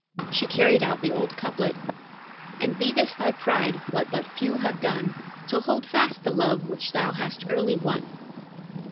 She carried out the old couplet: "And be this thy pride, what but few have done, To hold fast the love thou hast early won."